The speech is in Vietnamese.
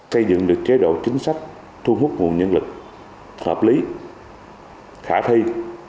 xây dựng được chế độ chính sách thu hút nguồn nhân lực hợp lý khả thi